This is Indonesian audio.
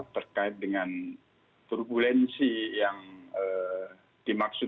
terkait dengan turbulensi yang dimaksud